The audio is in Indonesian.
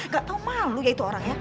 gak tahu malu ya itu orang ya